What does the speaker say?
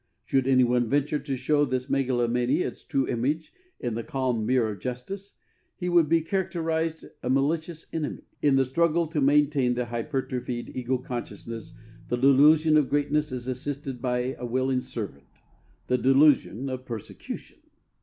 Should any one venture to show this megalomania its true image in the calm mirror of justice, he would be characterized a malicious enemy. In the struggle to maintain the hypertrophied ego consciousness the delusion of greatness is assisted by a willing servant: the delusion of persecution.